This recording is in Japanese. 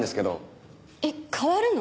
えっ変わるの？